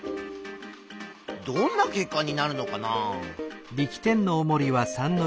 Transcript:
どんな結果になるのかな？